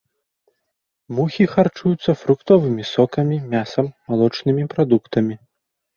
Мухі харчуюцца фруктовымі сокамі, мясам, малочнымі прадуктамі.